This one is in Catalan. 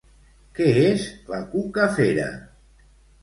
Què és la cuca fera?